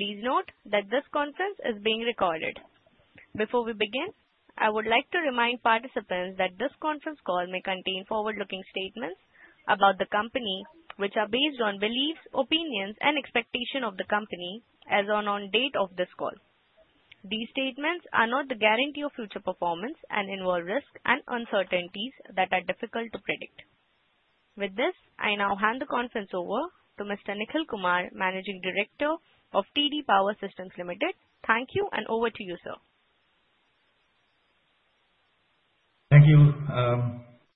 Please note that this conference is being recorded. Before we begin, I would like to remind participants that this conference call may contain forward-looking statements about the company, which are based on beliefs, opinions, and expectations of the company as on date of this call. These statements are not the guarantee of future performance and involve risks and uncertainties that are difficult to predict. With this, I now hand the conference over to Mr. Nikhil Kumar, Managing Director of TD Power Systems Limited. Thank you and over to you, sir. Thank you.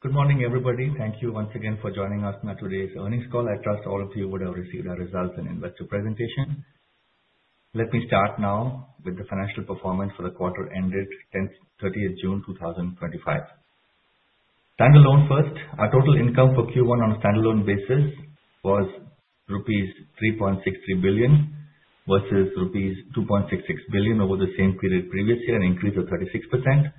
Good morning, everybody. Thank you once again for joining us on today's earnings call. I trust all of you would have received our results and investor presentation. Let me start now with the financial performance for the quarter ended 30th June 2025. Standalone first. Our total income for Q1 on a standalone basis was rupees 3.63 billion versus rupees 2.66 billion over the same period previous year, an increase of 36%.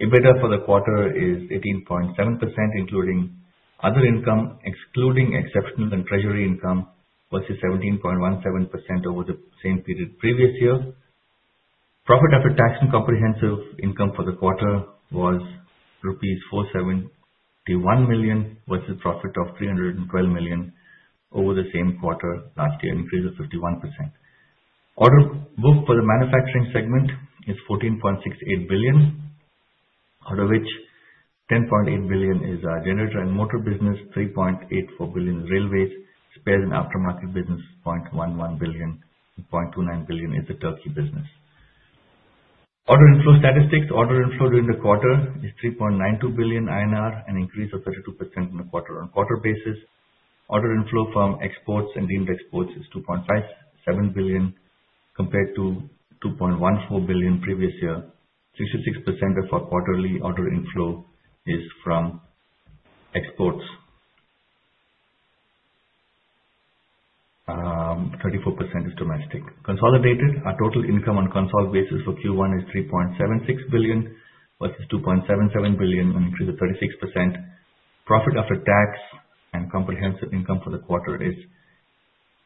EBITDA for the quarter is 18.7%, including other income, excluding exceptional and treasury income, versus 17.17% over the same period previous year. Profit after tax and comprehensive income for the quarter was rupees 471 million versus profit of 312 million over the same quarter last year, an increase of 51%. Order book for the manufacturing segment is 14.68 billion, out of which 10.8 billion is our generator and motor business, 3.84 billion railways, spares and aftermarket business 0.11 billion, and 0.29 billion is the Turkey business. Order inflow statistics. Order inflow during the quarter is 3.92 billion INR, an increase of 32% on a quarter-on-quarter basis. Order inflow from exports and deemed exports is 2.57 billion compared to 2.14 billion previous year. 66% of our quarterly order inflow is from exports. 34% is domestic. Consolidated. Our total income on a consolidated basis for Q1 is 3.76 billion versus 2.77 billion, an increase of 36%. Profit after tax and comprehensive income for the quarter is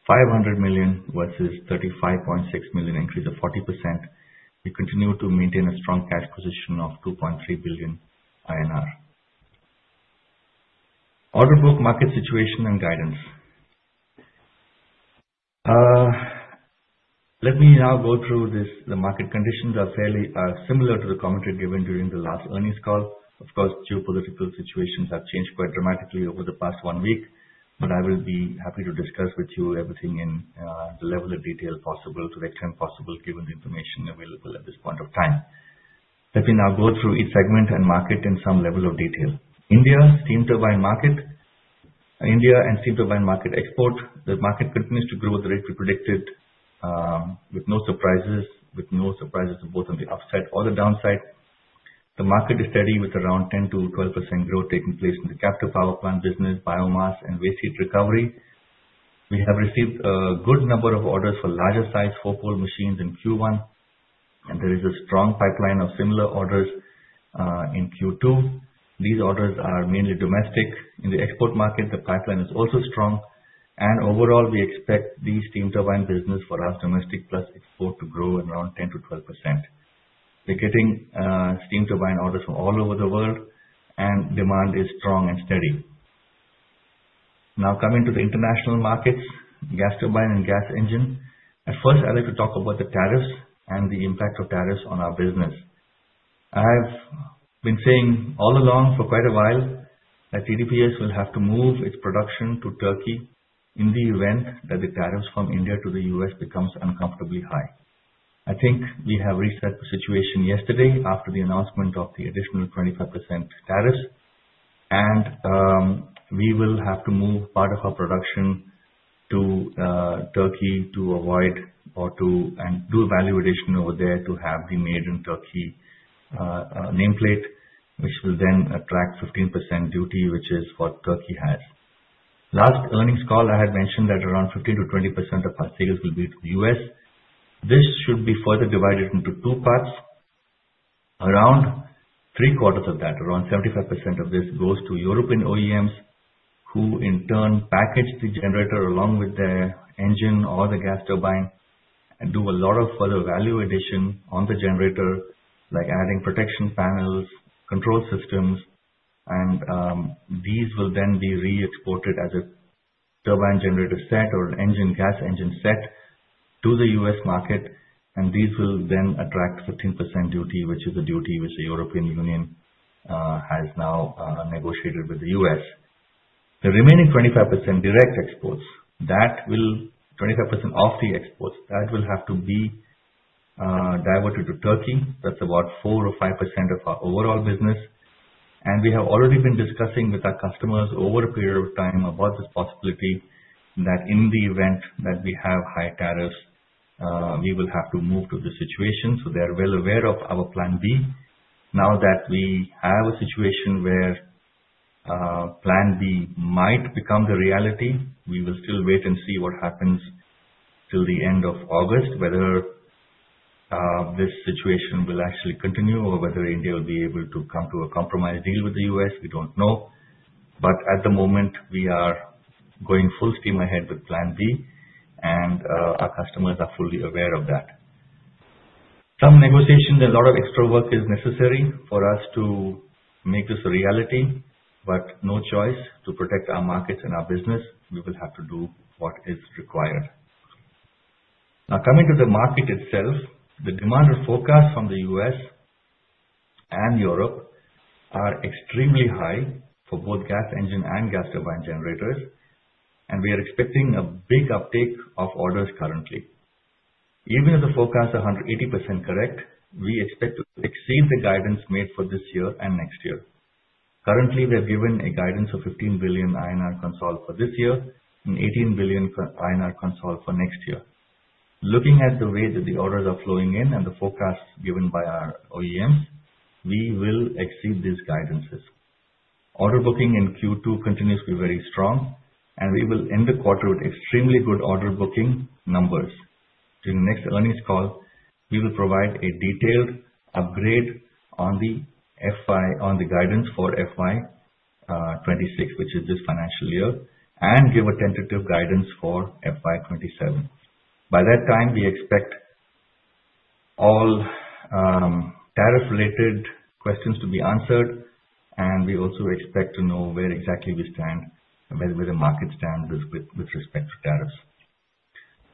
500 million versus 35.6 million, an increase of 40%. We continue to maintain a strong cash position of 2.3 billion INR. Order book, market situation, and guidance. Let me now go through this. The market conditions are fairly similar to the commentary given during the last earnings call. Of course, geopolitical situations have changed quite dramatically over the past one week. I will be happy to discuss with you everything in the level of detail possible, to the extent possible, given the information available at this point in time. Let me now go through each segment and market in some level of detail. India steam turbine market. India and steam turbine market export. The market continues to grow at the rate we predicted, with no surprises, both on the upside or the downside. The market is steady with around 10%-12% growth taking place in the captive power plant business, biomass, and waste heat recovery. We have received a good number of orders for larger size four-pole machines in Q1. There is a strong pipeline of similar orders in Q2. These orders are mainly domestic. In the export market, the pipeline is also strong. Overall, we expect the steam turbine business for our domestic plus export to grow around 10%-12%. We are getting steam turbine orders from all over the world. Demand is strong and steady. Now coming to the international markets, gas turbine and gas engine. At first, I would like to talk about the tariffs and the impact of tariffs on our business. I have been saying all along for quite a while that TDPS will have to move its production to Turkey in the event that the tariffs from India to the U.S. become uncomfortably high. I think we have reset the situation yesterday after the announcement of the additional 25% tariffs. We will have to move part of our production to Turkey to avoid or to do a value addition over there to have the Made in Turkey nameplate, which will then attract 15% duty, which is what Turkey has. Last earnings call, I had mentioned that around 15%-20% of our sales will be to the U.S. This should be further divided into two parts. Around three-quarters of that, around 75% of this goes to European OEMs, who in turn package the generator along with their engine or the gas turbine and do a lot of further value addition on the generator, like adding protection panels, control systems. These will then be re-exported as a turbine generator set or an engine gas engine set to the U.S. market. These will then attract 15% duty, which is a duty which the European Union has now negotiated with the U.S. The remaining 25% of the exports will have to be diverted to Turkey. That is about 4%-5% of our overall business. We have already been discussing with our customers over a period of time about this possibility that in the event that we have high tariffs, we will have to move to this situation, so they are well aware of our plan B. That we have a situation where plan B might become the reality, we will still wait and see what happens till the end of August, whether this situation will actually continue, or whether India will be able to come to a compromise deal with the U.S., we do not know. At the moment, we are going full steam ahead with plan B. Our customers are fully aware of that. Some negotiations, a lot of extra work is necessary for us to make this a reality. No choice. To protect our markets and our business, we will have to do what is required. Now, coming to the market itself, the demand of forecast from the U.S. and Europe are extremely high for both gas engine and gas turbine generators. We are expecting a big uptick of orders currently. Even if the forecasts are 180% correct, we expect to exceed the guidance made for this year and next year. Currently, we have given a guidance of 15 billion INR consol for this year and 18 billion INR consol for next year. Looking at the way that the orders are flowing in and the forecasts given by our OEMs, we will exceed these guidances. Order booking in Q2 continues to be very strong, and we will end the quarter with extremely good order booking numbers. During the next earnings call, we will provide a detailed upgrade on the guidance for FY 2026, which is this financial year, and give a tentative guidance for FY 2027. By that time, we expect all tariff-related questions to be answered, and we also expect to know where exactly we stand and where the market stands with respect to tariffs.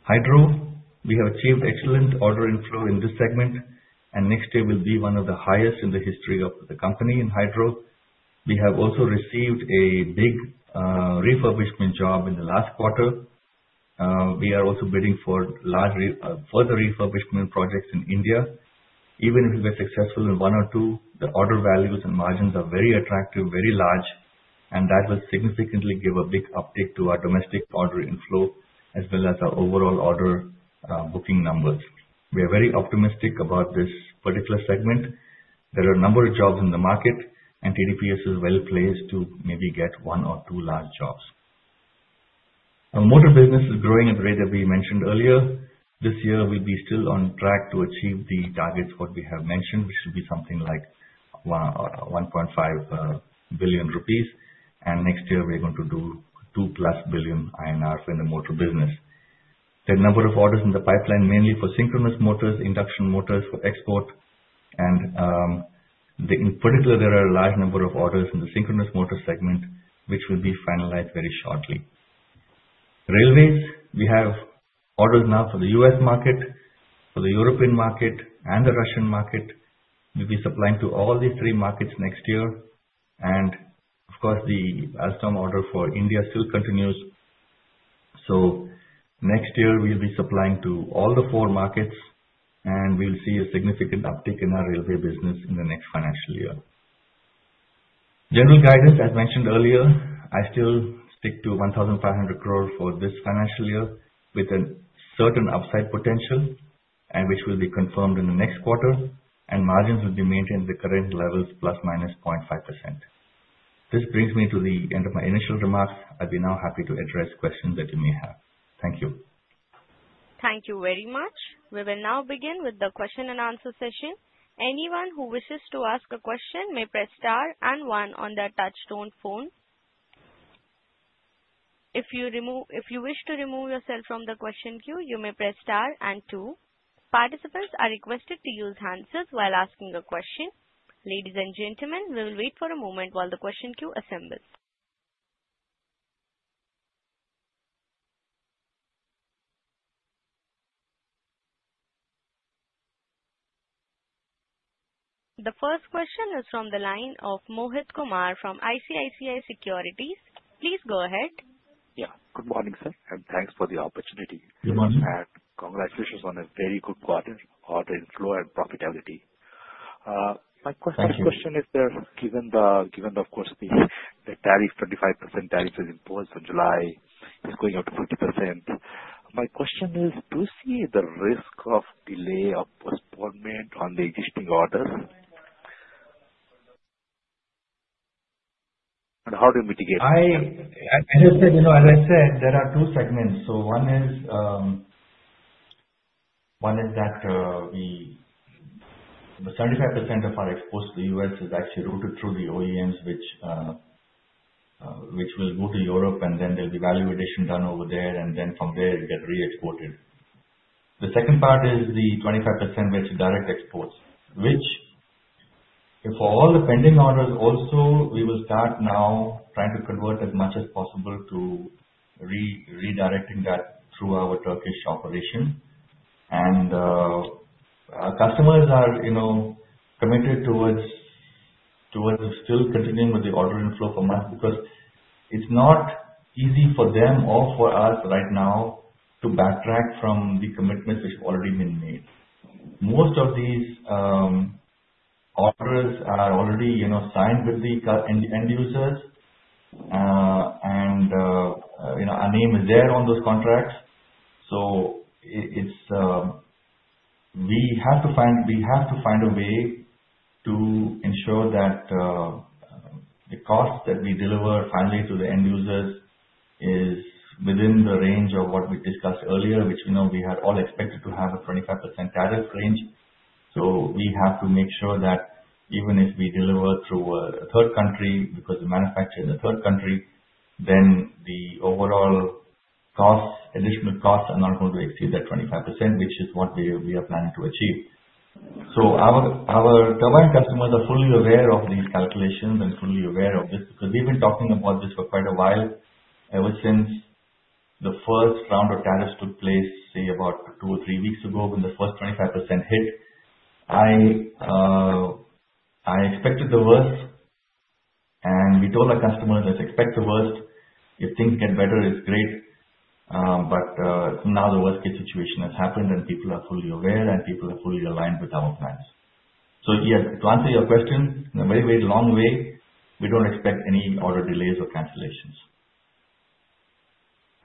Hydro, we have achieved excellent order inflow in this segment, and next year will be one of the highest in the history of the company in Hydro. We have also received a big refurbishment job in the last quarter. We are also bidding for further refurbishment projects in India. Even if we are successful in one or two, the order values and margins are very attractive, very large, and that will significantly give a big uptick to our domestic order inflow as well as our overall order booking numbers. We are very optimistic about this particular segment. There are a number of jobs in the market, and TDPS is well-placed to maybe get one or two large jobs. Our motor business is growing at the rate that we mentioned earlier. This year, we will be still on track to achieve the targets, what we have mentioned, which will be something like 1.5 billion rupees. Next year, we are going to do 2+ billion INR in the motor business. There are a number of orders in the pipeline, mainly for synchronous motors, induction motors for export, and in particular, there are a large number of orders in the synchronous motor segment, which will be finalized very shortly. Railways, we have orders now for the U.S. market, for the European market, and the Russian market. We will be supplying to all these three markets next year. Of course, the Alstom order for India still continues. Next year, we will be supplying to all the four markets, and we will see a significant uptick in our railway business in the next financial year. General guidance, as mentioned earlier, I still stick to 1,500 crore for this financial year with a certain upside potential, which will be confirmed in the next quarter, and margins will be maintained at the current levels, ±0.5%. This brings me to the end of my initial remarks. I will be now happy to address questions that you may have. Thank you. Thank you very much. We will now begin with the question and answer session. Anyone who wishes to ask a question may press star and one on their touchtone phone. If you wish to remove yourself from the question queue, you may press star and two. Participants are requested to use hands-ups while asking a question. Ladies and gentlemen, we will wait for a moment while the question queue assembles. The first question is from the line of Mohit Kumar from ICICI Securities. Please go ahead. Yeah. Good morning, sir, thanks for the opportunity. First, congratulations on a very good quarter order inflow and profitability. My question- Thank you. My first question is, given, of course, the 25% tariff that was imposed in July is going up to 50%, my question is, do you see the risk of delay of postponement on the existing orders? How to mitigate? As I said, there are two segments. One is that the 75% of our exports to the U.S. is actually routed through the OEMs, which will move to Europe, and then there'll be value addition done over there, and then from there, it'll get re-exported. The second part is the 25%, which is direct exports. Which for all the pending orders also, we will start now trying to convert as much as possible to redirecting that through our Turkish operation. Our customers are committed towards still continuing with the order inflow from us because it's not easy for them or for us right now to backtrack from the commitments which have already been made. Most of these orders are already signed with the end users, and our name is there on those contracts. We have to find a way to ensure that The cost that we deliver finally to the end users is within the range of what we discussed earlier, which we had all expected to have a 25% tariff range. We have to make sure that even if we deliver through a third country, because we manufacture in the third country, then the overall additional costs are not going to exceed that 25%, which is what we are planning to achieve. Our turbine customers are fully aware of these calculations and fully aware of this, because we've been talking about this for quite a while, ever since the first round of tariffs took place, say about two or three weeks ago, when the first 25% hit. I expected the worst, and we told our customers, let's expect the worst. If things get better, it's great. Now the worst case situation has happened and people are fully aware, and people are fully aligned with our plans. Yes, to answer your question, in a very, very long way, we don't expect any order delays or cancellations.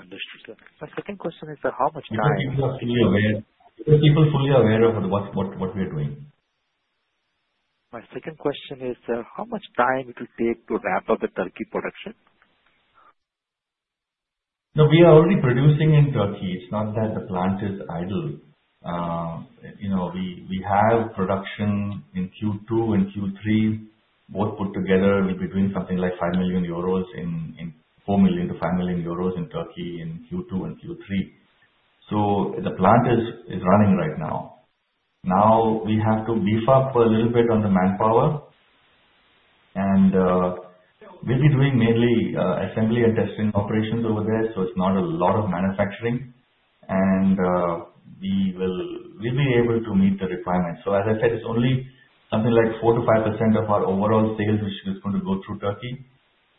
Understood, sir. My second question is, how much time- Because people are fully aware of what we are doing. My second question is, how much time it will take to wrap up the Turkey production? No, we are already producing in Turkey. It's not that the plant is idle. We have production in Q2 and Q3, both put together will be doing something like €5 million in, €4 million to €5 million in Turkey in Q2 and Q3. The plant is running right now. Now we have to beef up a little bit on the manpower, and we'll be doing mainly assembly and testing operations over there, so it's not a lot of manufacturing. We'll be able to meet the requirements. As I said, it's only something like 4%-5% of our overall sales, which is going to go through Turkey.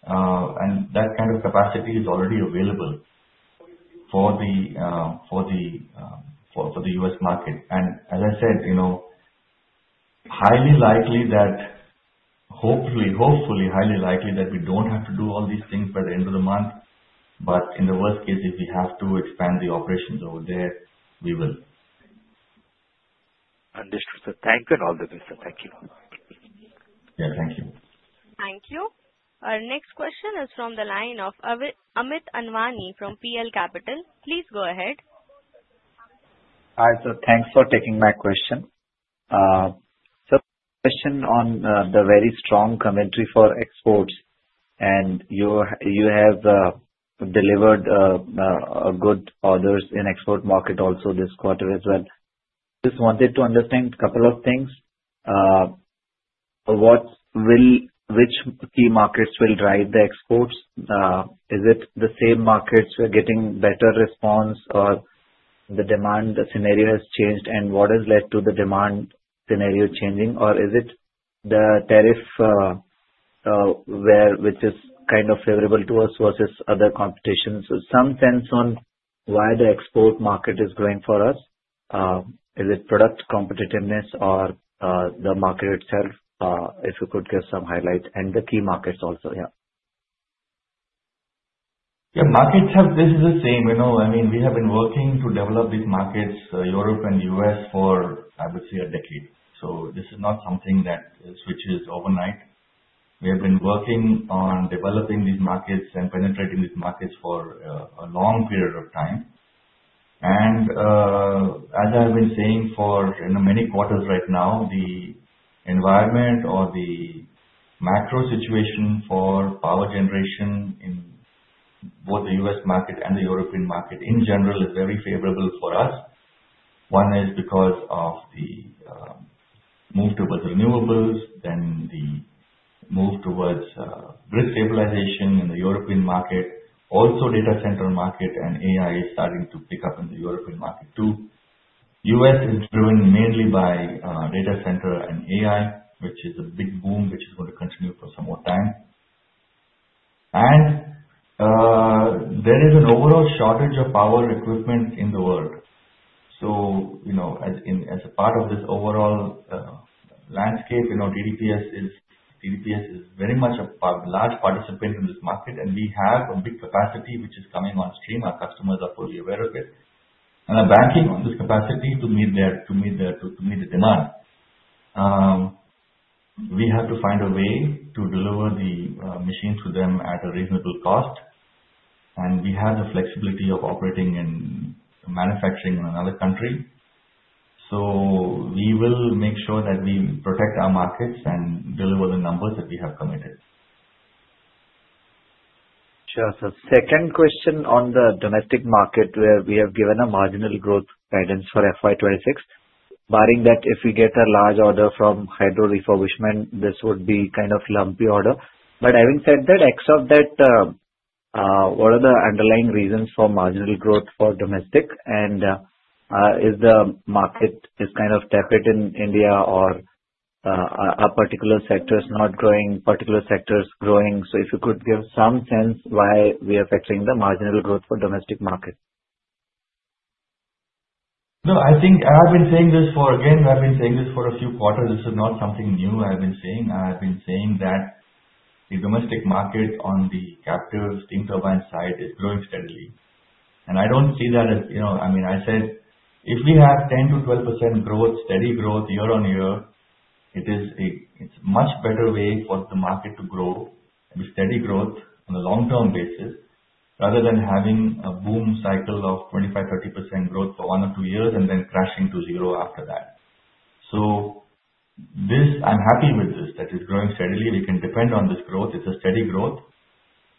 That kind of capacity is already available for the U.S. market. As I said, hopefully highly likely that we don't have to do all these things by the end of the month, but in the worst case, if we have to expand the operations over there, we will. Understood, sir. Thank you. All the best, sir. Thank you. Yeah, thank you. Thank you. Our next question is from the line of Amit Anwani from PL Capital. Please go ahead. Hi, sir. Thanks for taking my question. Sir, question on the very strong commentary for exports and you have delivered good orders in export market also this quarter as well. Just wanted to understand a couple of things. Which key markets will drive the exports? Is it the same markets who are getting better response or the demand, the scenario has changed and what has led to the demand scenario changing or is it the tariff which is kind of favorable to us versus other competition. Some sense on why the export market is growing for us. Is it product competitiveness or the market itself? If you could give some highlights and the key markets also. Markets have been the same. We have been working to develop these markets, Europe and U.S., for I would say a decade. This is not something that switches overnight. We have been working on developing these markets and penetrating these markets for a long period of time. As I've been saying for many quarters right now, the environment or the macro situation for power generation in both the U.S. market and the European market in general is very favorable for us. One is because of the move towards renewables, then the move towards grid stabilization in the European market, also data center market and AI is starting to pick up in the European market too. U.S. is driven mainly by data center and AI, which is a big boom, which is going to continue for some more time. There is an overall shortage of power equipment in the world. As a part of this overall landscape, TDPS is very much a large participant in this market and we have a big capacity which is coming on stream. Our customers are fully aware of it. Are banking on this capacity to meet the demand. We have to find a way to deliver the machines to them at a reasonable cost, and we have the flexibility of operating and manufacturing in another country. We will make sure that we protect our markets and deliver the numbers that we have committed. Sure, sir. Second question on the domestic market where we have given a marginal growth guidance for FY 2026. Barring that, if we get a large order from hydro refurbishment, this would be kind of lumpy order. Having said that, except that, what are the underlying reasons for marginal growth for domestic and is the market is kind of tepid in India or are particular sectors not growing, particular sectors growing? If you could give some sense why we are factoring the marginal growth for domestic market. No, I think I have been saying this for, again, I've been saying this for a few quarters. This is not something new I have been saying. I have been saying that the domestic market on the captive steam turbine side is growing steadily. I don't see that as I said, if we have 10%-12% growth, steady growth year-on-year, it's much better way for the market to grow with steady growth on a long-term basis, rather than having a boom cycle of 25%-30% growth for one or two years and then crashing to zero after that. I'm happy with this, that it's growing steadily. We can depend on this growth. It's a steady growth,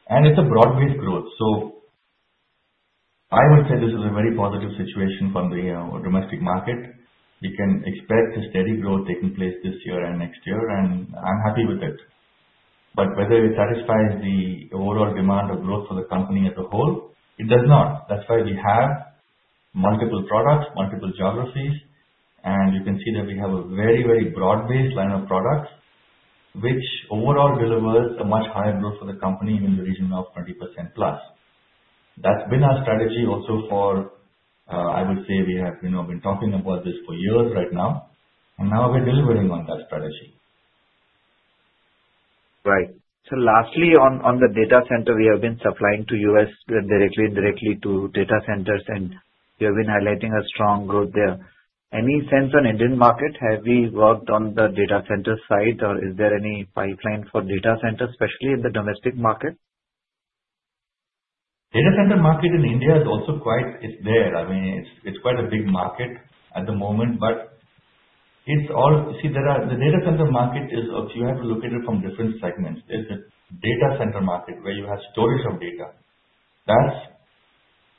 and it's a broad-based growth. I would say this is a very positive situation from the domestic market. We can expect a steady growth taking place this year and next year, and I'm happy with it. Whether it satisfies the overall demand of growth for the company as a whole, it does not. That's why we have multiple products, multiple geographies, and you can see that we have a very broad-based line of products, which overall delivers a much higher growth for the company in the region of 20%+. That's been our strategy also for, I would say we have been talking about this for years right now, and now we're delivering on that strategy. Right. Lastly, on the data center we have been supplying to U.S. directly to data centers, and we have been highlighting a strong growth there. Any sense on Indian market, have we worked on the data center side or is there any pipeline for data center, especially in the domestic market? Data center market in India is also quite, it's there. It's quite a big market at the moment. The data center market is. You have to look at it from different segments. There's a data center market where you have storage of data. That's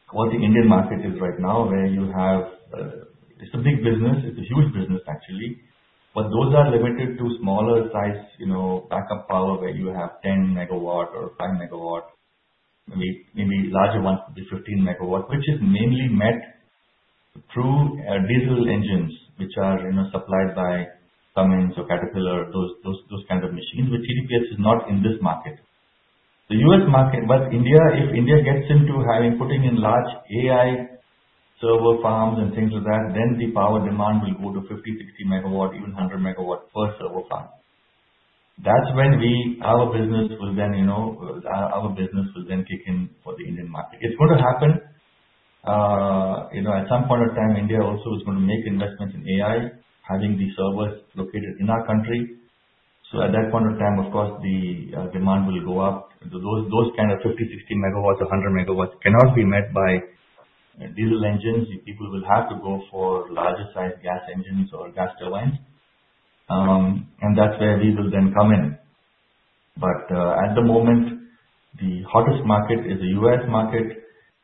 what the Indian market is right now, where you have. It's a big business. It's a huge business, actually. Those are limited to smaller size, backup power where you have 10 MW or 5 MW, maybe larger ones will be 15 MW. Which is mainly met through diesel engines, which are supplied by Cummins or Caterpillar, those kind of machines. TDPS is not in this market. The U.S. market. If India gets into putting in large AI server farms and things like that, then the power demand will go to 50-60 MW, even 100 MW per server farm. That's when our business will then kick in for the Indian market. It's going to happen. At some point of time, India also is going to make investments in AI, having these servers located in our country. At that point of time, of course, the demand will go up. Those kind of 50 MW, 60 MW or 100 MW cannot be met by diesel engines. People will have to go for larger size gas engines or gas turbines. That's where we will then come in. At the moment, the hottest market is the U.S. market,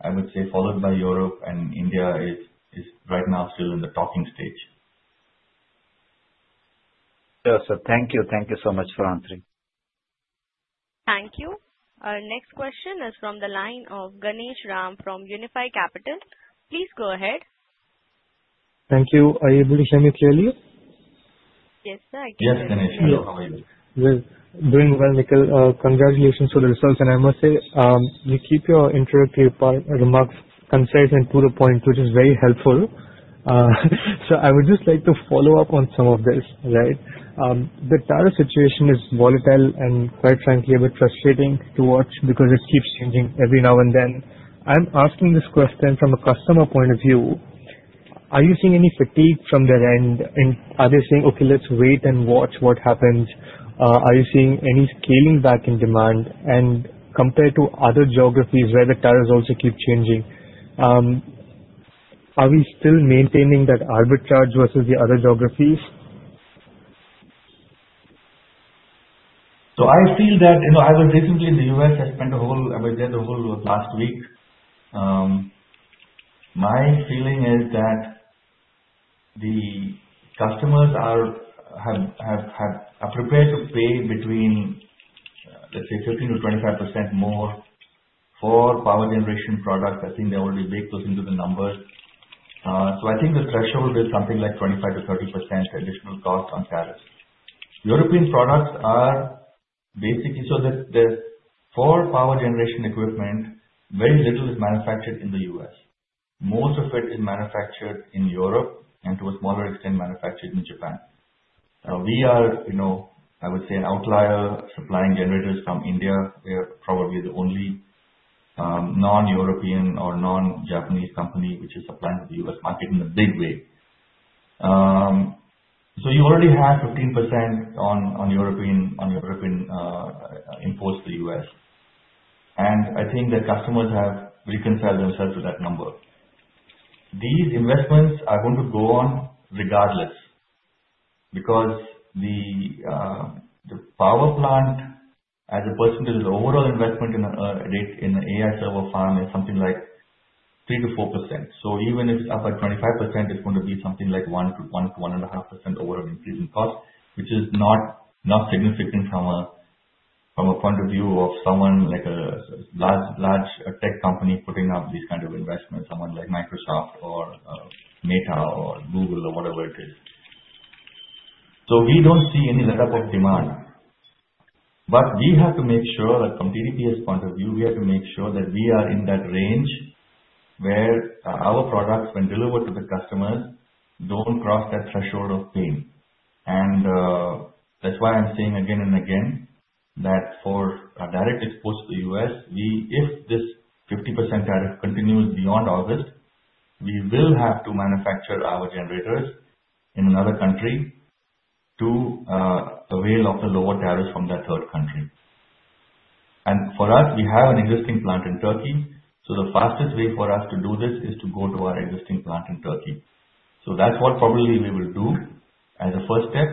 I would say, followed by Europe and India is right now still in the talking stage. Sure, sir. Thank you. Thank you so much for answering. Thank you. Our next question is from the line of Ganesh Rajagopalan from Unifi Capital. Please go ahead. Thank you. Are you able to hear me clearly? Yes, sir. I can. Yes, Ganesh. Hello, how are you? Doing well, Nikhil. Congratulations on the results. I must say, you keep your introductory remarks concise and to the point, which is very helpful. I would just like to follow up on some of this. Right. The tariff situation is volatile and quite frankly, a bit frustrating to watch because it keeps changing every now and then. I am asking this question from a customer point of view. Are you seeing any fatigue from their end, and are they saying, "Okay, let's wait and watch what happens." Are you seeing any scaling back in demand? Compared to other geographies where the tariffs also keep changing, are we still maintaining that arbitrage versus the other geographies? I feel that, I was recently in the U.S. I spent there the whole of last week. My feeling is that the customers are prepared to pay between, let's say, 15%-25% more for power generation products. I think they already baked those into the numbers. I think the threshold is something like 25%-30% additional cost on tariffs. European products are basically-- For power generation equipment, very little is manufactured in the U.S. Most of it is manufactured in Europe and to a smaller extent, manufactured in Japan. We are I would say an outlier supplying generators from India. We are probably the only non-European or non-Japanese company which is supplying to the U.S. market in a big way. You already have 15% on European imports to the U.S. I think that customers have reconciled themselves to that number. These investments are going to go on regardless because the power plant as a percentage, the overall investment rate in an AI server farm is something like 3%-4%. Even if it's up by 25%, it's going to be something like 1%-1.5% overall increase in cost, which is not significant from a point of view of someone like a large tech company putting up these kind of investments, someone like Microsoft or Meta or Google or whatever it is. We don't see any letup of demand. We have to make sure that from TDPS point of view, we have to make sure that we are in that range where our products, when delivered to the customers, don't cross that threshold of pain. That's why I'm saying again and again that for a direct export to the U.S., if this 50% tariff continues beyond August, we will have to manufacture our generators in another country to avail of the lower tariffs from that third country. For us, we have an existing plant in Turkey, the fastest way for us to do this is to go to our existing plant in Turkey. That's what probably we will do as a first step,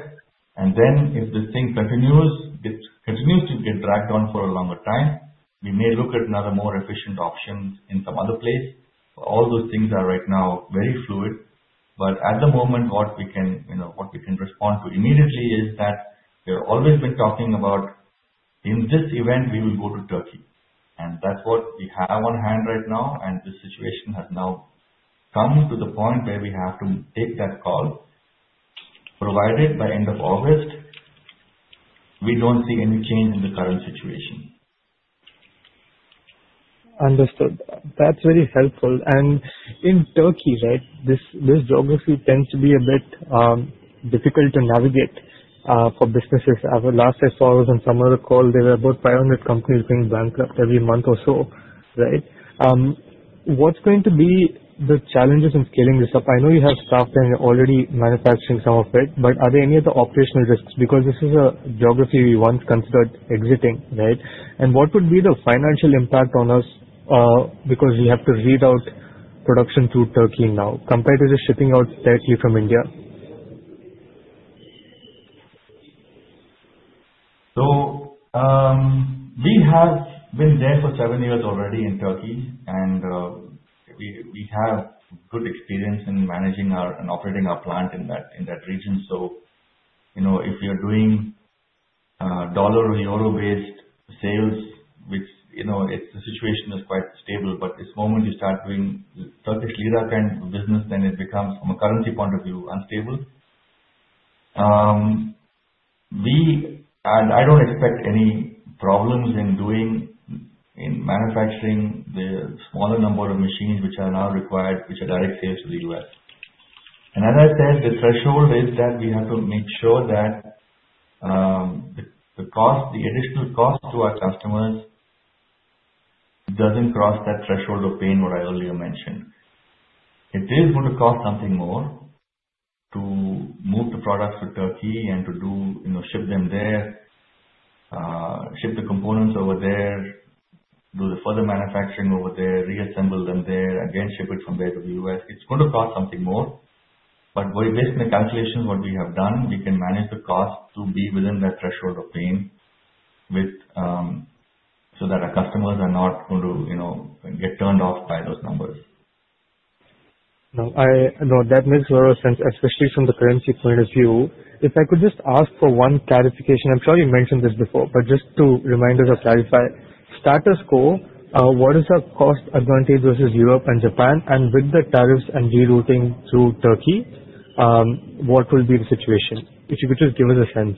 if this thing continues to get dragged on for a longer time, we may look at another more efficient option in some other place. All those things are right now very fluid, at the moment, what we can respond to immediately is that we have always been talking about, in this event, we will go to Turkey. That's what we have on hand right now, this situation has now come to the point where we have to take that call, provided by end of August, we don't see any change in the current situation. Understood. That's very helpful. In Turkey, this geography tends to be a bit difficult to navigate for businesses. Last I saw was on some other call, there were about 500 companies going bankrupt every month or so. What's going to be the challenges in scaling this up? I know you have staff there, you're already manufacturing some of it, are there any other operational risks? Because this is a geography we once considered exiting. What would be the financial impact on us because we have to read out production to Turkey now compared to just shipping out directly from India? We have been there for 7 years already in Turkey, and we have good experience in managing and operating our plant in that region. If we are doing INR or EUR-based sales, the situation is quite stable, but the moment we start doing Turkish lira kind of business, it becomes, from a currency point of view, unstable. I don't expect any problems in manufacturing the smaller number of machines which are now required, which are direct sales to the U.S. As I said, the threshold is that we have to make sure that the additional cost to our customers doesn't cross that threshold of pain what I earlier mentioned. It is going to cost something more to move the products to Turkey and to ship them there, ship the components over there, do the further manufacturing over there, reassemble them there, again, ship it from there to the U.S. It's going to cost something more. Based on the calculations what we have done, we can manage the cost to be within that threshold of pain so that our customers are not going to get turned off by those numbers. No, that makes a lot of sense, especially from the currency point of view. If I could just ask for one clarification. I'm sure you mentioned this before, but just to remind us or clarify. Status quo, what is our cost advantage versus Europe and Japan? With the tariffs and rerouting through Turkey, what will be the situation? If you could just give us a sense.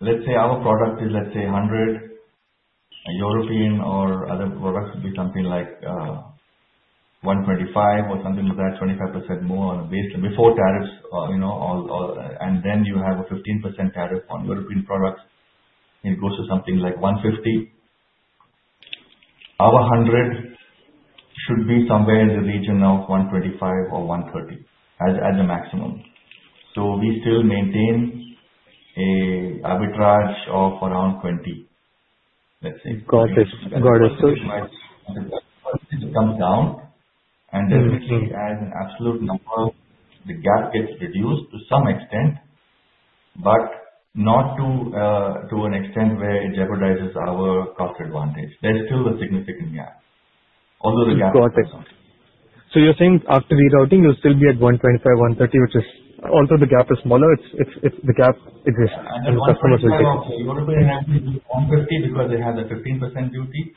Let's say our product is 100. European or other products will be something like 125 or something like that, 25% more on a base before tariffs, then you have a 15% tariff on European products, it goes to something like 150. Our 100 should be somewhere in the region of 125 or 130 at the maximum. We still maintain an arbitrage of around 20, let's say. Got it. It comes down, and definitely as an absolute number, the gap gets reduced to some extent, but not to an extent where it jeopardizes our cost advantage. There is still a significant gap, although the gap comes down. Got it. You're saying after rerouting, you will still be at 125, 130, which is although the gap is smaller, the gap exists and the customers will take it. The INR 125 of the European has to be 150 because they have the 15% duty.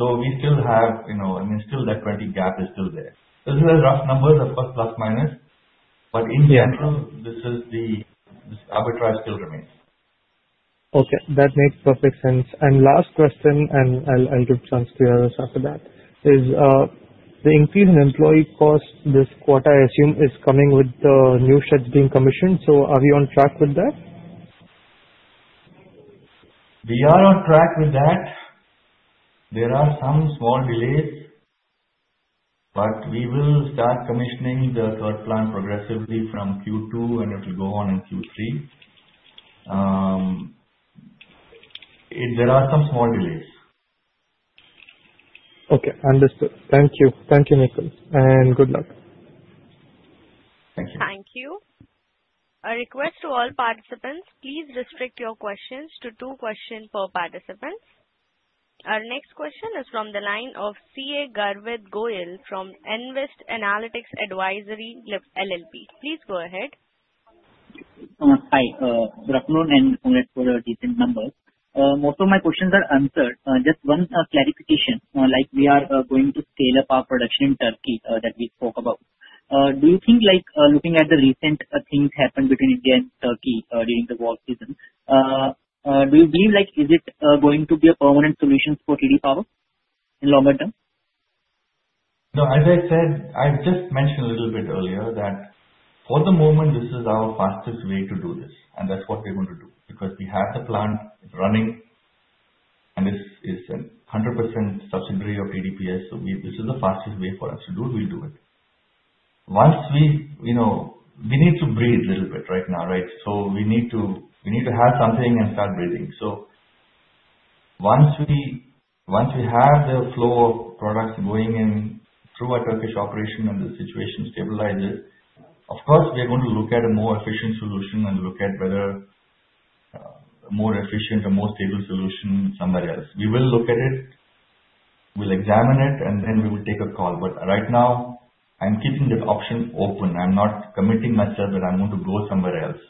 That 20 gap is still there. Those are the rough numbers, of course, plus, minus. In general, this arbitrage still remains. That makes perfect sense. Last question, I'll give chance to others after that, is the increase in employee cost this quarter, I assume is coming with the new sheds being commissioned. Are we on track with that? We are on track with that. There are some small delays, we will start commissioning the third plant progressively from Q2, it will go on in Q3. There are some small delays. Okay, understood. Thank you. Thank you, Nikhil. Good luck. Thank you. Thank you. A request to all participants. Please restrict your questions to two questions per participant. Our next question is from the line of CA Garvit Goel from Envest Analytics Advisory LLP. Please go ahead. Hi. Congratulations for the recent numbers. Most of my questions are answered. Just one clarification. We are going to scale up our production in Turkey, that we spoke about. Do you think, looking at the recent things happen between India and Turkey during the war season, do you believe, is it going to be a permanent solution for TD Power in longer term? No, as I said, I just mentioned a little bit earlier that for the moment, this is our fastest way to do this, and that's what we're going to do. We have the plant running, and it's a 100% subsidiary of TDPS. This is the fastest way for us to do, we'll do it. We need to breathe little bit right now. We need to have something and start breathing. Once we have the flow of products going in through our Turkish operation and the situation stabilizes, of course, we are going to look at a more efficient solution and look at whether a more efficient or more stable solution somewhere else. We will look at it, we'll examine it, and then we will take a call. Right now, I'm keeping that option open. I'm not committing myself that I'm going to go somewhere else.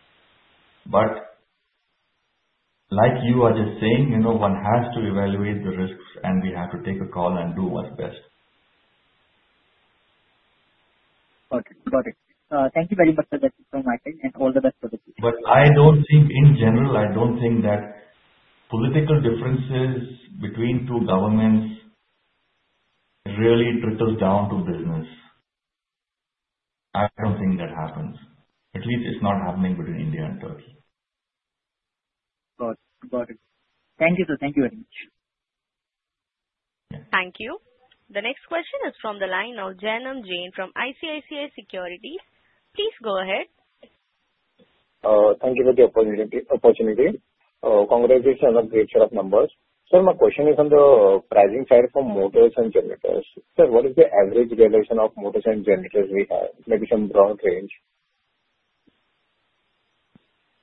Like you are just saying, one has to evaluate the risks, and we have to take a call and do what's best. Got it. Thank you very much for your time and all the best for the future. In general, I don't think that political differences between two governments really trickles down to business. I don't think that happens. At least it's not happening between India and Turkey. Got it. Thank you, sir. Thank you very much. Thank you. The next question is from the line of Janam Jain from ICICI Securities. Please go ahead. Thank you for the opportunity. Congratulations on the great set of numbers. Sir, my question is on the pricing side for motors and generators. Sir, what is the average realization of motors and generators we have? Maybe some broad range.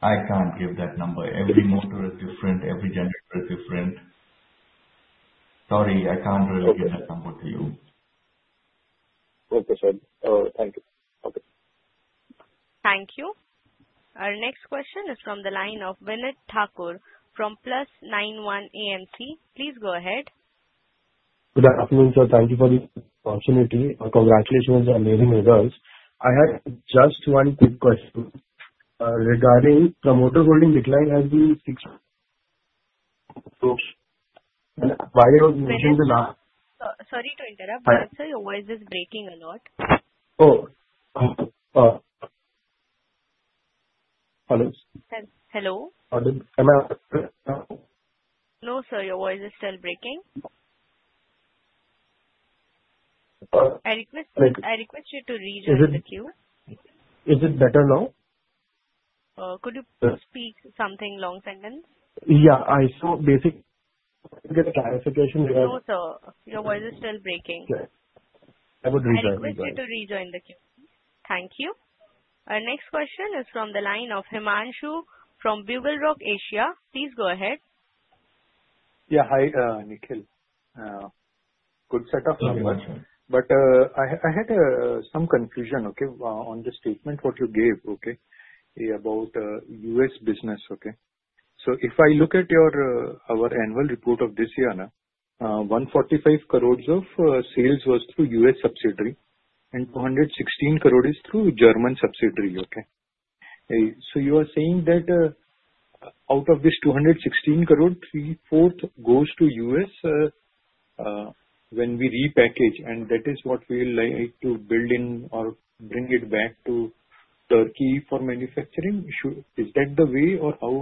I can't give that number. Every motor is different, every generator is different. Sorry, I can't really give that number to you. Okay, sir. Thank you. Okay. Thank you. Our next question is from the line of Vineet Thakur from Plus91 Asset Management. Please go ahead. Good afternoon, sir. Thank you for the opportunity and congratulations on the amazing results. I had just one quick question regarding promoter holding decline has been 6%. Why it was mentioned in the last- Sorry to interrupt, sir, your voice is breaking a lot. Hello. Hello? Am I? No, sir, your voice is still breaking. I request you to rejoin the queue. Is it better now? Could you speak something long sentence? Yeah, I saw basic clarification. No, sir. Your voice is still breaking. I will rejoin. I request you to rejoin the queue. Thank you. Our next question is from the line of Himanshu from Beaverbrook Asia. Please go ahead. Hi, Nikhil. Good set of numbers. Thank you very much. I had some confusion on the statement what you gave about U.S. business. If I look at our annual report of this year, 145 crore of sales was through U.S. subsidiary and 216 crore is through German subsidiary. You are saying that out of this 216 crore, three-fourth goes to U.S. when we repackage, and that is what we like to build in or bring it back to Turkey for manufacturing. Is that the way or how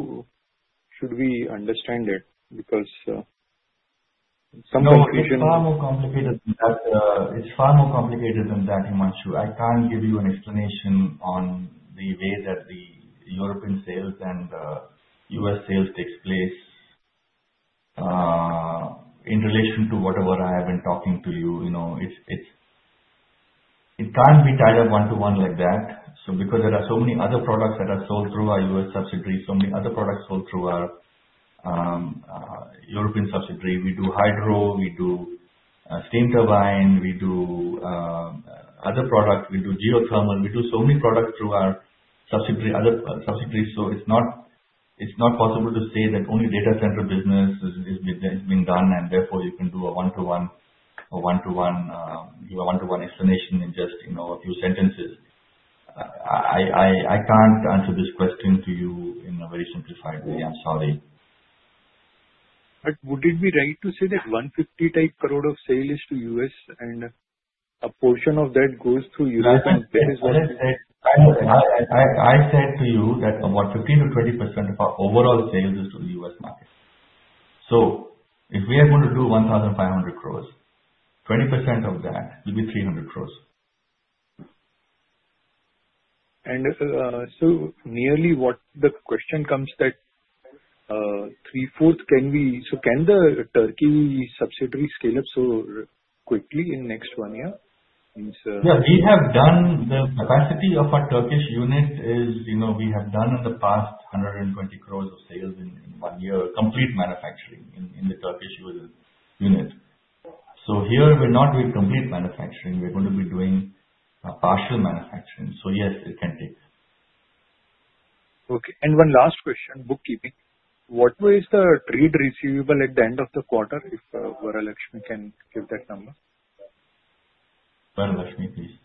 should we understand it? No, it is far more complicated than that, Himanshu. I cannot give you an explanation on the way that the European sales and U.S. sales takes place in relation to whatever I have been talking to you. It cannot be tied up one to one like that. Because there are so many other products that are sold through our U.S. subsidiary, so many other products sold through our European subsidiary. We do hydro, we do steam turbine, we do other products, we do geothermal. We do so many products through our other subsidiaries. It is not possible to say that only data center business has been done, and therefore you can do a one-to-one explanation in just a few sentences. I cannot answer this question to you in a very simplified way. I am sorry. Would it be right to say that 150 type crore of sale is to U.S. and a portion of that goes through Europe? I said to you that about 15%-20% of our overall sales is to the U.S. market. If we are going to do 1,500 crores, 20% of that will be 300 crores. Sir, merely what the question comes that three-fourth, can the Turkey subsidiary scale up so quickly in next one year? The capacity of our Turkish unit is, we have done in the past 120 crores of sales in one year, complete manufacturing in the Turkish unit. Here we're not doing complete manufacturing, we're going to be doing a partial manufacturing. Yes, it can take. One last question, bookkeeping. What was the trade receivable at the end of the quarter, if Varalakshmi can give that number? Varalakshmi, please.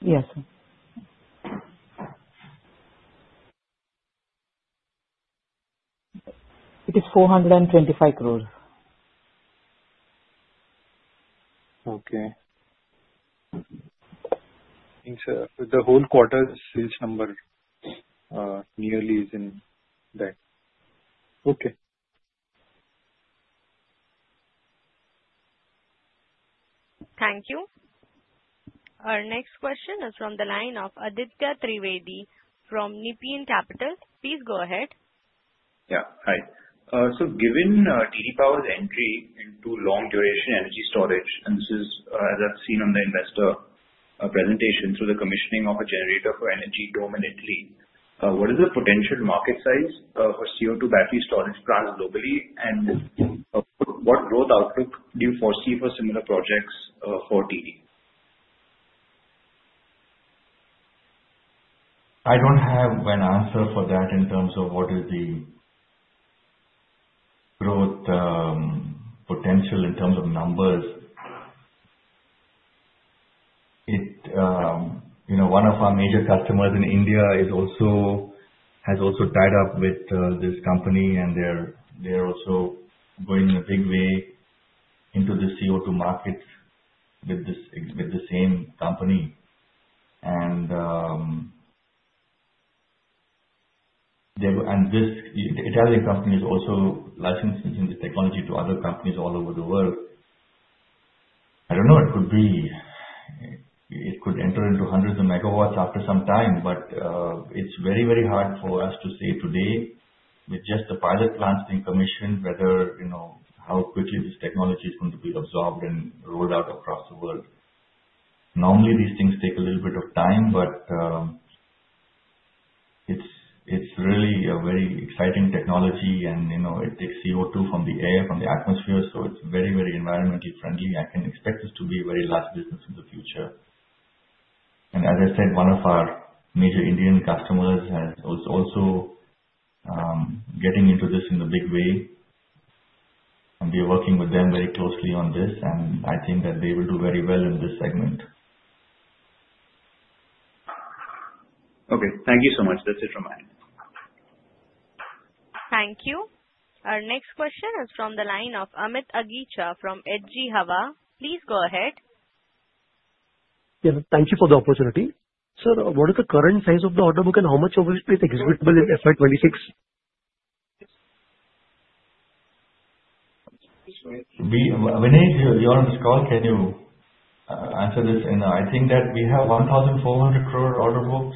Yes. It is INR 425 crores. Okay. It's the whole quarter's sales number, nearly is in that. Okay. Thank you. Our next question is from the line of Aditya Trivedi from Nipun Capital. Please go ahead. Hi. Given TD Power's entry into long-duration energy storage, and this is as I've seen on the investor presentation through the commissioning of a generator for Energy Dome in Italy, what is the potential market size for CO2 battery storage plants globally? What growth outlook do you foresee for similar projects for TD? I don't have an answer for that in terms of what is the growth potential in terms of numbers. One of our major customers in India has also tied up with this company, and they're also going a big way into the CO2 market with the same company. The Italian company is also licensing this technology to other companies all over the world. I don't know, it could enter into hundreds of megawatts after some time. It's very hard for us to say today with just the pilot plants being commissioned, how quickly this technology is going to be absorbed and rolled out across the world. Normally, these things take a little bit of time, but it's really a very exciting technology, and it takes CO2 from the air, from the atmosphere, so it's very environmentally friendly. I can expect this to be a very large business in the future. As I said, one of our major Indian customers is also getting into this in a big way, and we're working with them very closely on this, I think that they will do very well in this segment. Okay. Thank you so much. That's it from my end. Thank you. Our next question is from the line of Amit Agiccha from Edgi Hawa. Please go ahead. Yeah. Thank you for the opportunity. Sir, what is the current size of the order book and how much of it is executable in FY 2026? Vinay, you're on this call. Can you answer this? I think that we have 1,400 crore order book.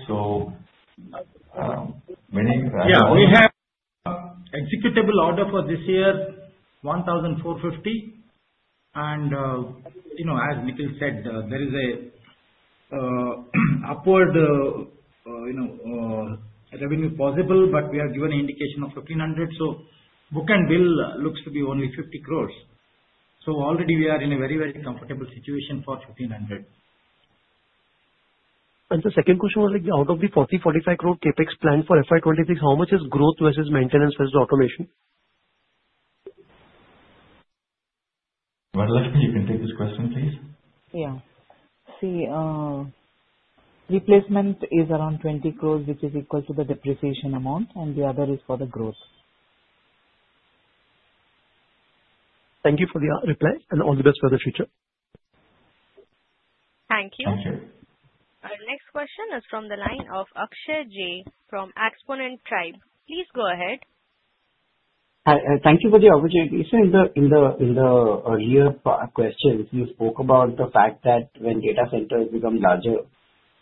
Yeah, we have executable order for this year, 1,450. As Nikhil said, there is upward revenue possible, we have given an indication of 1,500, book and bill looks to be only 50 crore. Already we are in a very comfortable situation for 1,500. The second question was, out of the 40 crore-45 crore CapEx plan for FY 2023, how much is growth versus maintenance versus automation? Varalakshmi, you can take this question, please. See, replacement is around 20 crore, which is equal to the depreciation amount, and the other is for the growth. Thank you for the reply, and all the best for the future. Thank you. Thank you. Our next question is from the line of Akshay Jogani from Xponent Tribe. Please go ahead. Hi, thank you for the opportunity. Sir, in the earlier questions, you spoke about the fact that when data centers become larger,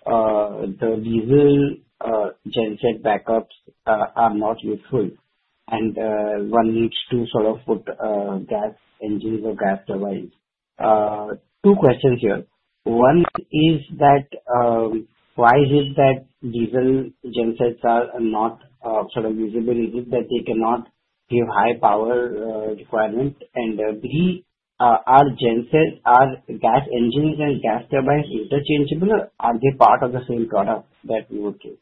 the diesel gen set backups are not useful, and one needs to sort of put gas engines or gas turbines. Two questions here. One is that, why is it that diesel gen sets are not sort of usable? Is it that they cannot give high power requirements? Three, are gas engines and gas turbines interchangeable, or are they part of the same product that we would use?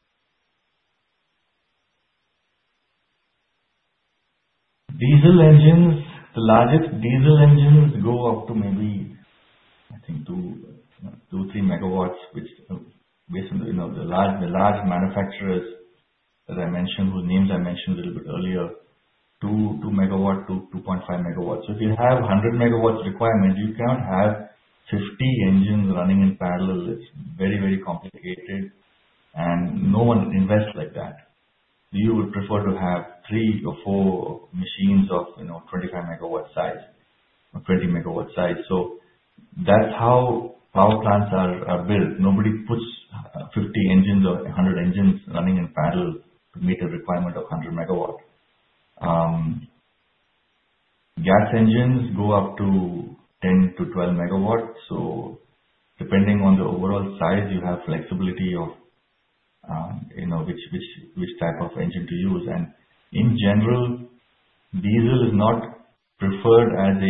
Diesel engines, the largest diesel engines go up to maybe, I think 2, 3 MW. The large manufacturers, whose names I mentioned a little bit earlier, 2 MW to 2.5 MW. If you have 100 MW requirement, you can't have 50 engines running in parallel. It's very complicated. No one invests like that. You would prefer to have three or four machines of 25 MW size or 20 MW size. That's how power plants are built. Nobody puts 50 engines or 100 engines running in parallel to meet a requirement of 100 MW. Gas engines go up to 10-12 MW. Depending on the overall size, you have flexibility of which type of engine to use. In general diesel is not preferred.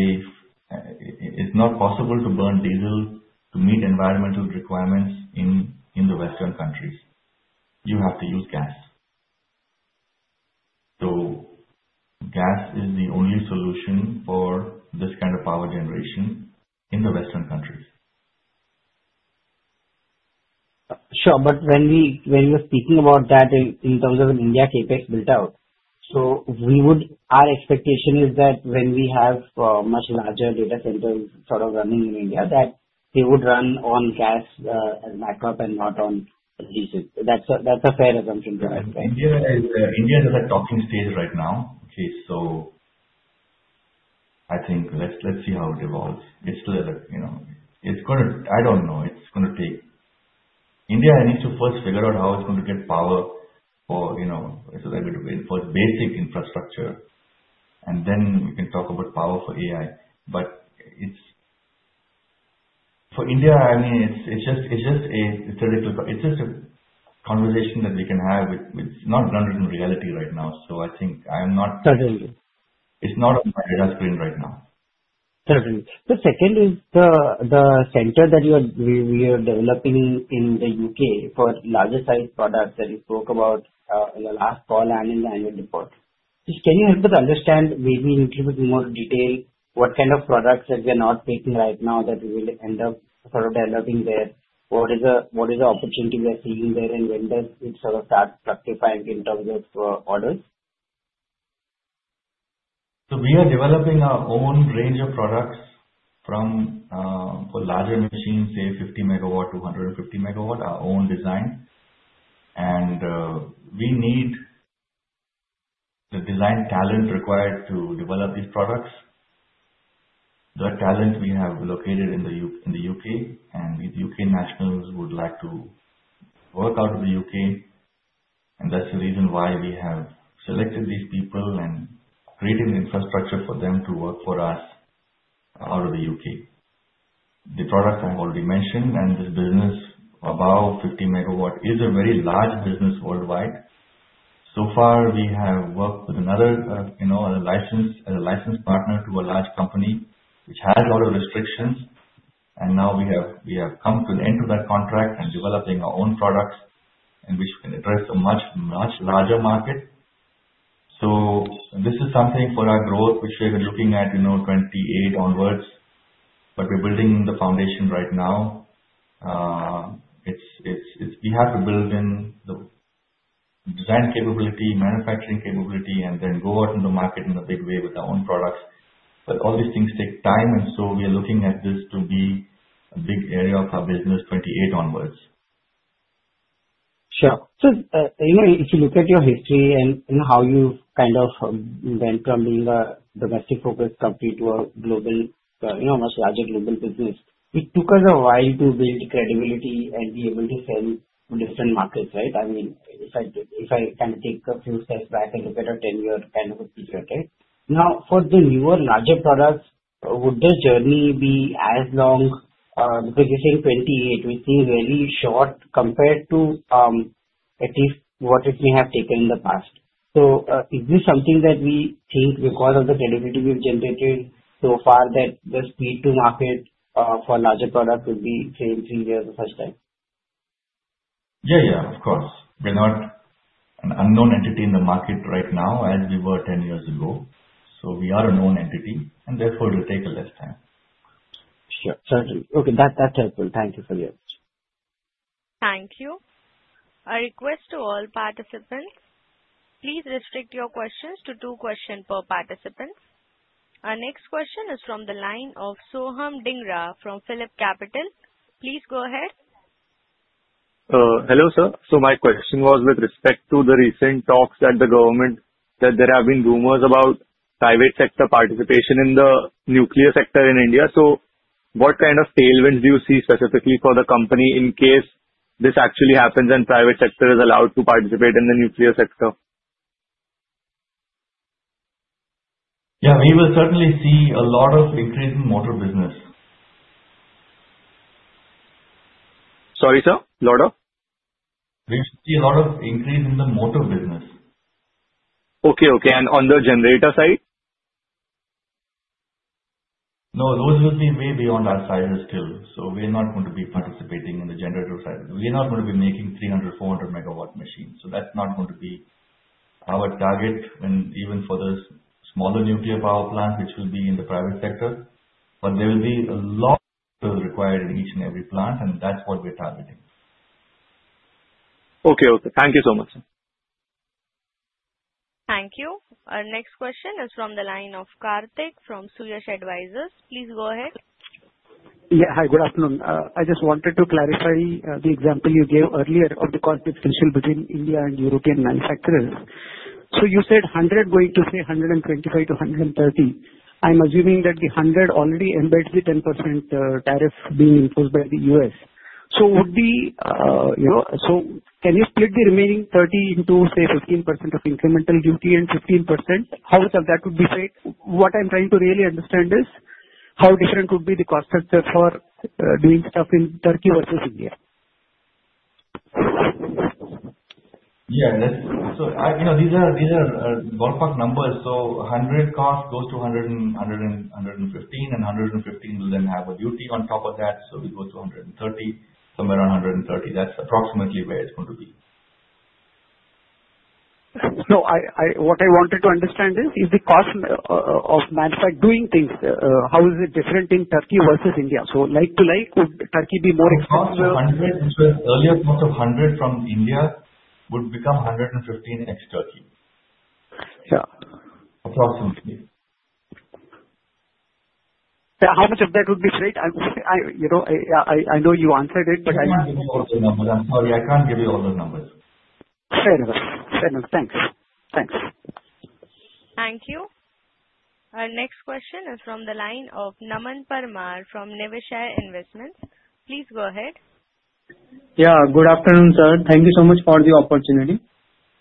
It's not possible to burn diesel to meet environmental requirements in the Western countries. You have to use gas. Gas is the only solution for this kind of power generation in the Western countries. Sure. When you were speaking about that in terms of an India CapEx build-out, our expectation is that when we have much larger data centers sort of running in India, that they would run on gas as backup and not on diesel. That's a fair assumption to have, right? India is at talking stage right now. I think let's see how it evolves. I don't know. India needs to first figure out how it's going to get power for its basic infrastructure. Then we can talk about power for AI. For India, it's just a conversation that we can have. It's not grounded in reality right now. I think I'm not. Certainly. It's not on my radar screen right now. Certainly. The second is the center that we are developing in the U.K. for larger size products that you spoke about in the last call and in the annual report. Can you help us understand, maybe in a little bit more detail, what kind of products that we are not making right now that we will end up sort of developing there? What is the opportunity we are seeing there, and when does it sort of start fructifying in terms of orders? We are developing our own range of products for larger machines, say 50 MW to 150 MW, our own design. We need the design talent required to develop these products. That talent we have located in the U.K., and these U.K. nationals would like to work out of the U.K., and that's the reason why we have selected these people and created an infrastructure for them to work for us out of the U.K. The products I've already mentioned, this business above 50 MW is a very large business worldwide. Far, we have worked with another licensed partner to a large company, which has a lot of restrictions, and now we have come to the end of that contract and developing our own products in which we can address a much, much larger market. This is something for our growth, which we're looking at 2028 onwards, we're building the foundation right now. We have to build in the design capability, manufacturing capability, then go out in the market in a big way with our own products. All these things take time, we are looking at this to be a big area of our business 2028 onwards. Sure. If you look at your history and how you've kind of went from being a domestic focused company to a much larger global business, it took us a while to build credibility and be able to sell to different markets, right? I mean, if I can take a few steps back and look at a ten-year kind of a picture, right? For the newer larger products, would the journey be as long? You're saying 28, which seems very short compared to, at least what it may have taken in the past. Is this something that we think because of the credibility we've generated so far, that the speed to market for larger product will be say, three years the first time? Yeah. Of course. We're not an unknown entity in the market right now as we were 10 years ago. We are a known entity, and therefore it will take less time. Sure. Certainly. Okay. That's helpful. Thank you. Thank you. A request to all participants. Please restrict your questions to two questions per participant. Our next question is from the line of Soham Dhingra from PhillipCapital. Please go ahead. Hello, sir. My question was with respect to the recent talks that the government, that there have been rumors about private sector participation in the nuclear sector in India. What kind of tailwinds do you see specifically for the company in case this actually happens and private sector is allowed to participate in the nuclear sector? Yeah, we will certainly see a lot of increase in motor business. Sorry, sir. Lot of? We'll see a lot of increase in the motor business. Okay. On the generator side? No, those will be way beyond our size still, we're not going to be participating on the generator side. We're not going to be making 300, 400 megawatt machines. That's not going to be our target, even for the smaller nuclear power plant, which will be in the private sector. There will be a lot required in each and every plant, and that's what we're targeting. Okay. Thank you so much, sir. Thank you. Our next question is from the line of Kartik from Suyash Advisors. Please go ahead. Yeah. Hi, good afternoon. I just wanted to clarify the example you gave earlier of the cost differential between India and European manufacturers. You said 100 going to say 125 to 130. I'm assuming that the 100 already embeds the 10% tariff being imposed by the U.S. Can you split the remaining 30 into, say, 15% of incremental duty and 15%? How that would be paid? What I'm trying to really understand is how different would be the cost structure for doing stuff in Turkey versus India. Yeah. These are ballpark numbers. 100 cost goes to 115, and 115 will then have a duty on top of that, so it goes to 130. Somewhere around 130. That's approximately where it's going to be. No. What I wanted to understand is the cost of doing things, how is it different in Turkey versus India? Like to like, would Turkey be more expensive? Earlier cost of 100 from India would become 115 ex-Turkey. Yeah. Approximately. How much of that would be straight? I know you answered it, but. I'm sorry, I can't give you all the numbers. Fair enough. Thanks. Thank you. Our next question is from the line of Naman Parmar from Niveshaay Investments. Please go ahead. Yeah. Good afternoon, sir. Thank you so much for the opportunity.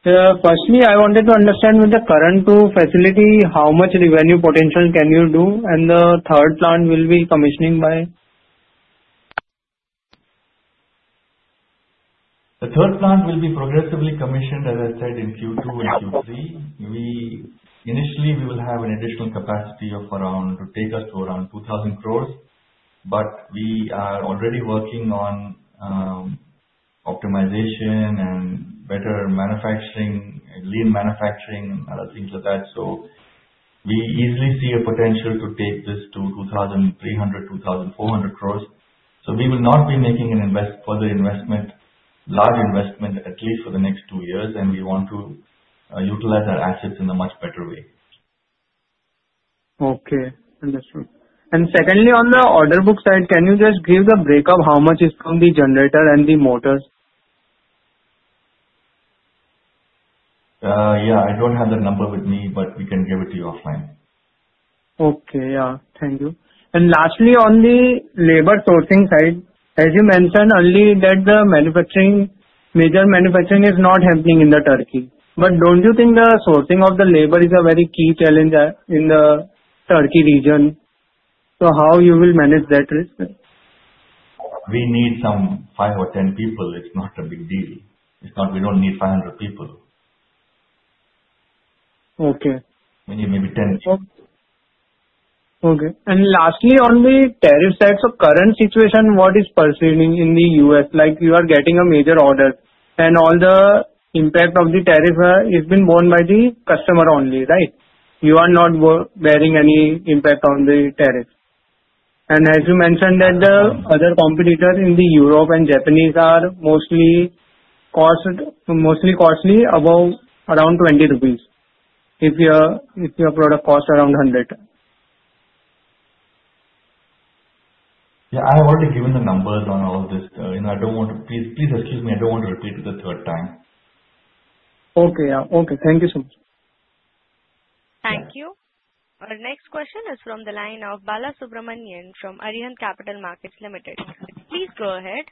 Firstly, I wanted to understand with the current two facility, how much revenue potential can you do, and the third plant will be commissioning by? The third plant will be progressively commissioned, as I said, in Q2 or Q3. Initially, we will have an additional capacity to take us to around 2,000 crores, We are already working on optimization and better manufacturing, lean manufacturing, and other things like that. We easily see a potential to take this to 2,300, 2,400 crores. We will not be making further investment, large investment, at least for the next two years, and we want to utilize our assets in a much better way. Okay. Understood. Secondly, on the order book side, can you just give the breakup how much is from the generator and the motors? Yeah, I don't have that number with me, we can give it to you offline. Okay. Yeah. Thank you. Lastly, on the labor sourcing side, as you mentioned earlier that the major manufacturing is not happening in Turkey. Don't you think the sourcing of the labor is a very key challenge there in the Turkey region? How you will manage that risk, sir? We need some five or 10 people. It's not a big deal. It's not we don't need 500 people. Okay. We need maybe 10 people. Okay. Lastly, on the tariff side, Current situation, what is perceived in the U.S.? Like you are getting a major order, All the impact of the tariff has been borne by the customer only, right? You are not bearing any impact on the tariff. As you mentioned that the other competitors in the Europe and Japanese are mostly costly above around 20 rupees, if your product costs around 100. Yeah. I have already given the numbers on all of this. Please excuse me, I don't want to repeat it the third time. Okay. Yeah. Okay. Thank you so much. Thank you. Our next question is from the line of Bala Subramanian from Arihant Capital Markets Limited. Please go ahead.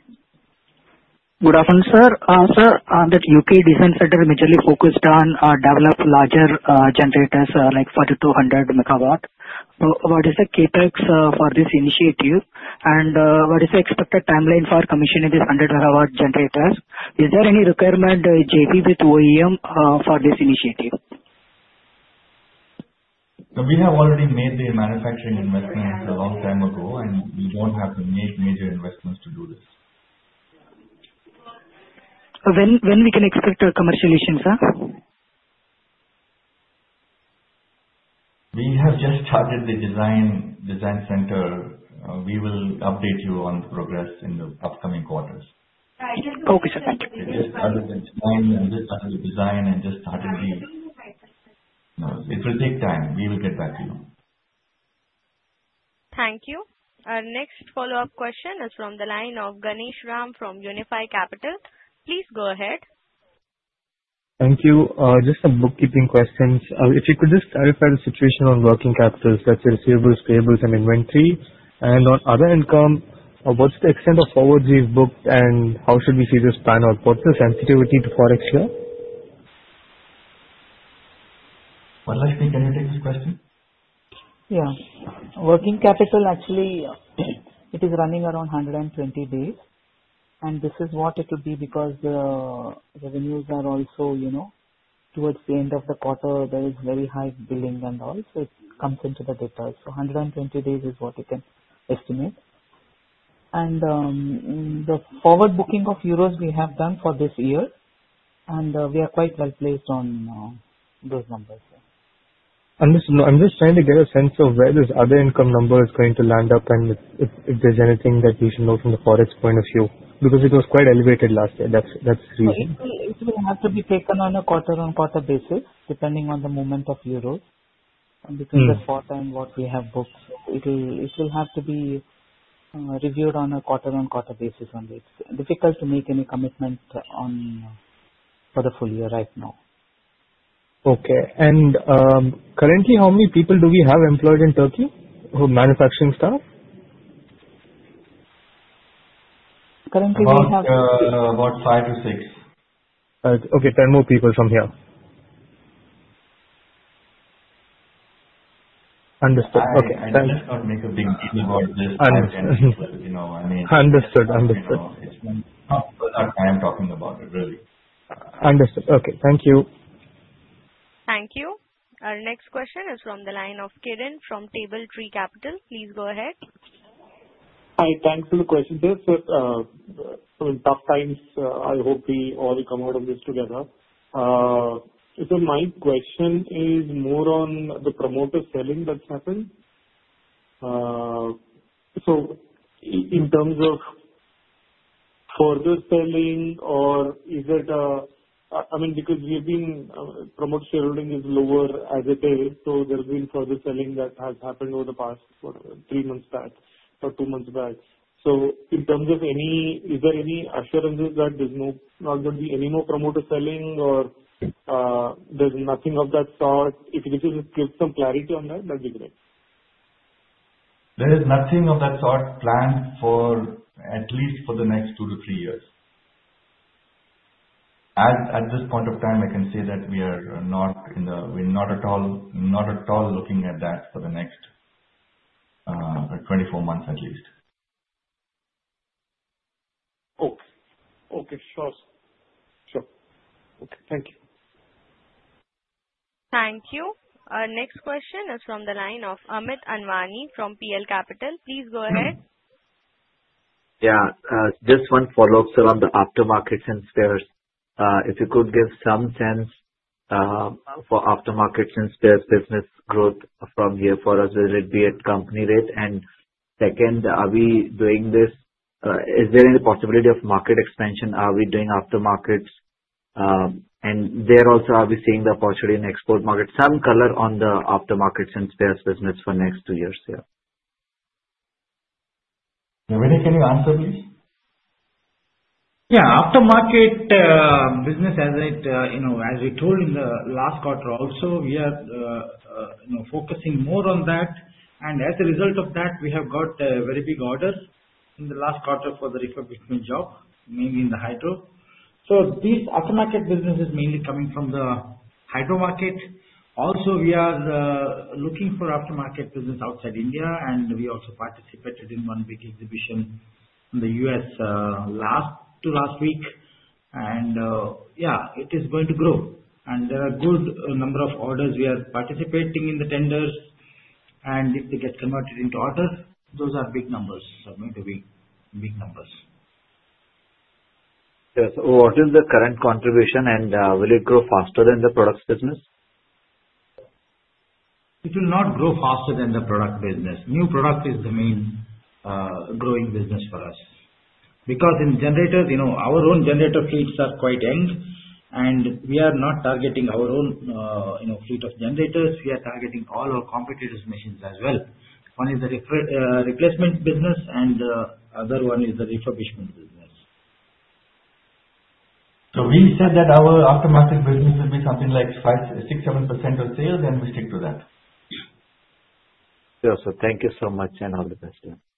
Good afternoon, sir. Sir, that U.K. design center is majorly focused on develop larger generators like 4,200 MW. What is the CapEx for this initiative, and what is the expected timeline for commissioning this 100 MW generator? Is there any requirement JV with OEM for this initiative? We have already made the manufacturing investments a long time ago, and we don't have to make major investments to do this. When we can expect a commercialization, sir? We have just started the design center. We will update you on the progress in the upcoming quarters. Okay, sir. Thank you. We just started the design and just started the No, it will take time. We will get back to you. Thank you. Our next follow-up question is from the line of Ganesh Ram from Unifi Capital. Please go ahead. Thank you. Just some bookkeeping questions. If you could just clarify the situation on working capital, such as receivables, payables, and inventory. On other income, what's the extent of forwards we've booked and how should we see this pan out? What's the sensitivity to forex here? Palla, can you take this question? Yeah. Working capital, actually, it is running around 120 days, this is what it will be because the revenues are also towards the end of the quarter. There is very high billing and all, it comes into the picture. 120 days is what you can estimate. The forward booking of euros we have done for this year, we are quite well-placed on those numbers. I'm just trying to get a sense of where this other income number is going to land up if there's anything that we should know from the forex point of view, because it was quite elevated last year. That's the reason. It will have to be taken on a quarter-on-quarter basis, depending on the movement of euros because the quarter and what we have booked. It will have to be reviewed on a quarter-on-quarter basis. Difficult to make any commitment for the full year right now. Okay. Currently, how many people do we have employed in Turkey who are manufacturing staff? Currently we have About five to six. Okay. 10 more people from here. Understood. Okay, thank you. I let's not make a big deal about this. Understood. You know. Understood. I'm talking about it, really. Understood. Okay, thank you. Thank you. Our next question is from the line of Kiran from Temple Tree Capital. Please go ahead. Hi, thanks for the question. Sir, some tough times. I hope we all come out of this together. My question is more on the promoter selling that happened. In terms of further selling. Because we have been, promoter shareholding is lower as it is, there has been further selling that has happened over the past three months back or two months back. In terms of any assurances that there's not going to be any more promoter selling or there's nothing of that sort? If you could just give some clarity on that'd be great. There is nothing of that sort planned at least for the next two to three years. At this point of time, I can say that we're not at all looking at that for the next 24 months at least. Okay. Sure. Okay, thank you. Thank you. Our next question is from the line of Amit Anwani from PL Capital. Please go ahead. Yeah. Just one follow-up, sir, on the aftermarket and spares. If you could give some sense for aftermarket and spares business growth from here for us, will it be at company rate? Second, is there any possibility of market expansion? Are we doing aftermarkets? There also, are we seeing the opportunity in export market? Some color on the aftermarket and spares business for next two years, sir. Navneet, can you answer, please? Yeah. Aftermarket business, as we told in the last quarter also, we are focusing more on that. As a result of that, we have got a very big order in the last quarter for the refurbishment job, mainly in the hydro. This aftermarket business is mainly coming from the hydro market. Also, we are looking for aftermarket business outside India, and we also participated in one big exhibition in the U.S. last to last week. Yeah, it is going to grow. There are good number of orders we are participating in the tenders, and if they get converted into orders, those are big numbers. Are going to be big numbers. Yes. What is the current contribution, and will it grow faster than the products business? It will not grow faster than the product business. New product is the main growing business for us. Because in generators, our own generator fleets are quite young, and we are not targeting our own fleet of generators. We are targeting all our competitors' machines as well. One is the replacement business and the other one is the refurbishment business. We said that our aftermarket business will be something like 6%-7% of sales, and we stick to that. Sure, sir. Thank you so much, and all the best to you. Thank you.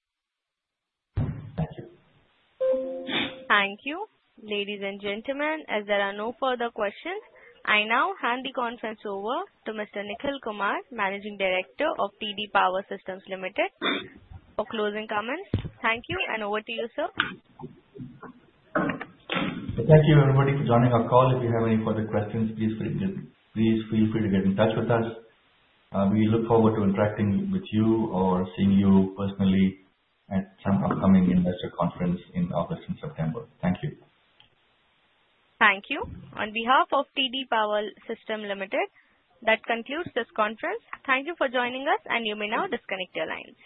Thank you. Ladies and gentlemen, as there are no further questions, I now hand the conference over to Mr. Nikhil Kumar, Managing Director of TD Power Systems Limited for closing comments. Thank you, and over to you, sir. Thank you, everybody, for joining our call. If you have any further questions, please feel free to get in touch with us. We look forward to interacting with you or seeing you personally at some upcoming investor conference in August and September. Thank you. Thank you. On behalf of TD Power Systems Limited, that concludes this conference. Thank you for joining us, and you may now disconnect your lines.